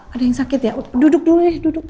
ada yang sakit ya duduk dulu nih